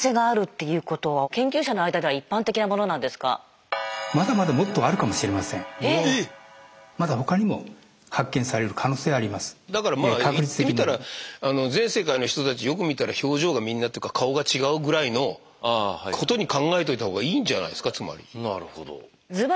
いってみたら全世界の人たちよく見たら表情がみんなっていうか顔が違うぐらいのことに考えといたほうがいいんじゃないですかつまり。